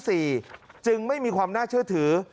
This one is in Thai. ซึ่งไม่มีความน่าเชื่อถือ